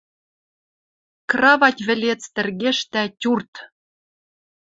Кравать вӹлец тӹргештӓ тюрт.